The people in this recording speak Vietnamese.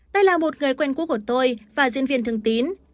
đây là một người quen cũ của tôi và diễn viên thương tín